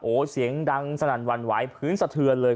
โอ้เสียงดังสนั่นวัลวายพื้นสะเทือนเลย